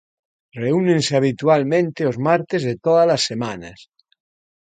Reúnense habitualmente os martes de todas as semanas.